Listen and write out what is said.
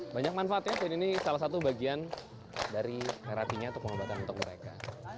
banyak manfaatnya dan ini salah satu bagian dari terapinya atau pengobatan untuk mereka